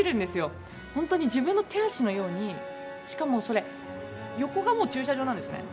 本当に自分の手足のようにしかも、それ横がもう駐車場なんですね。